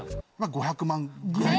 ５００万ぐらい。